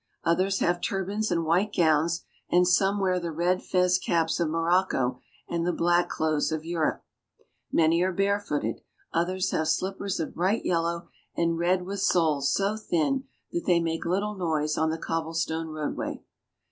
Others have turbans and white gowns, and some wear the red fez caps of Morocco and the black clothes of Europe. Many are barefooted ; others have slippers of bright yellow and red with soles so thin that they make little noise on the cobble stone roadway.